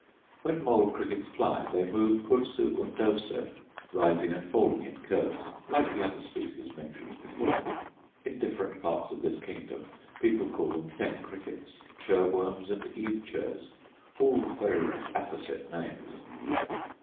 When mole crickets fly they move 'cursu undoso,' rising and falling in curves, like the other species mentioned before. In different parts of this kingdom people call them fen crickets, churr worms, and eve churrs, all very apposite names.